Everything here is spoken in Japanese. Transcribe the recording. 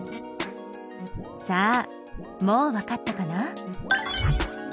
さあもうわかったかな？